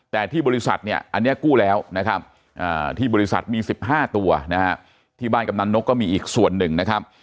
แต่ที่บริษัทอันนี้กู้แล้วที่บริษัทมี๑๕ตัวที่บ้านกำนันนกก็มีอีกส่วนหนึ่ง